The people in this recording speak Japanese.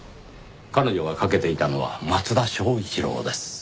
彼女が掛けていたのは松田正一郎です。